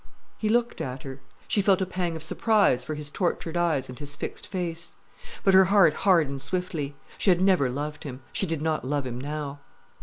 He looked at her. She felt a pang of surprise for his tortured eyes and his fixed face. But her heart hardened swiftly. She had never loved him. She did not love him now.